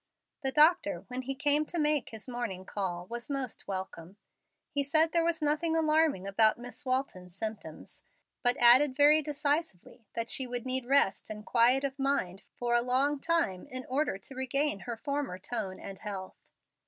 The doctor, when he came to make his morning call, was most welcome. He said there was nothing alarming about Miss Walton's symptoms, but added very decisively that she would need rest and quiet of mind for a long time in order to regain her former tone and health.